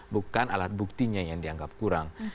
bukan alat buktinya yang dianggap kurang